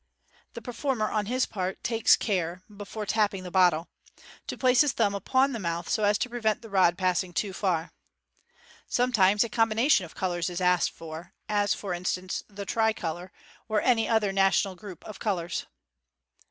The performer, on his part, takes care, before tapping the bottle, to place his thumb upon the mouth, so as to prevent the rod passing too far. Sometimes a combination of colours is asked for, as, for in stance, the tricolour, or any other national group of colours.